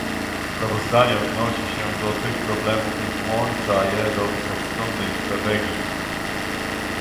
Sprawozdanie odnosi się do tych problemów i włącza je do wszechstronnej strategii